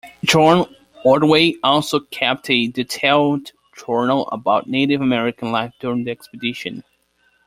John Ordway also kept a detailed journal about Native American life during the expedition.